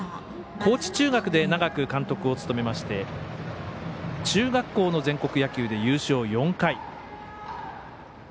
高知中学で長く監督を務めまして中学校の全国野球で優勝４回。